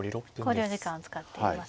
考慮時間を使っています。